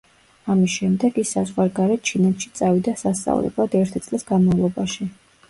ამის შემდეგ, ის საზღვარგარეთ ჩინეთში წავიდა სასწავლებლად ერთი წლის განმავლობაში.